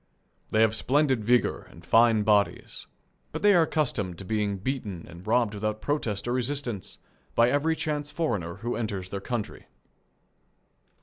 They have splendid vigour and fine bodies, but they are accustomed to being beaten and robbed without protest or resistance by every chance foreigner who enters their country.